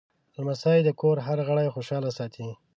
لمسی د کور هر غړی خوشحال ساتي.